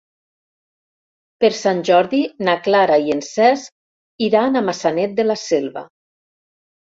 Per Sant Jordi na Clara i en Cesc iran a Maçanet de la Selva.